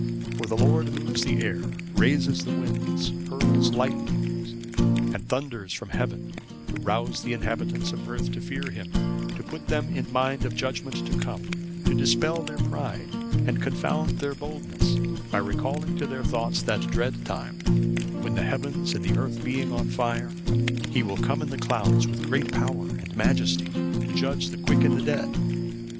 '(551) For the Lord moves the air, raises the winds, hurls lightning, and thunders from heaven, to rouse the inhabitants of the earth to fear him; to put them in mind of judgement to come; to dispel their pride, and confound their boldness, by recalling to their thoughts that dread time, when the heavens and the earth being on fire, He will come in the clouds, with great power and majesty, to judge the quick and the dead.